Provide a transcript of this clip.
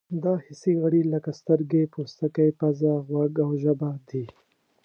دا حسي غړي لکه سترګې، پوستکی، پزه، غوږ او ژبه دي.